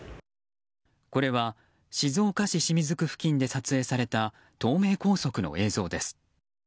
これは静岡市清水区付近で撮影された東名高速の映像です。